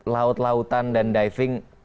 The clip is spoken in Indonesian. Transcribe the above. laut lautan dan diving